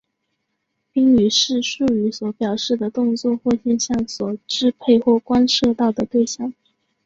宾语是述语所表示的动作或现象所支配或关涉到的对象。